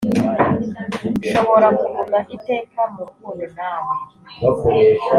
nshobora kuguma iteka mu rukundo nawe.